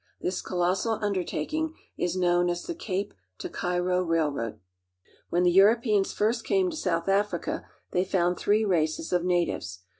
This colossal indertaking is known as the Cape to Cairo Railroad. 1 f 276 AFRICA When the Europeans first came to South Africa they found three races of natives.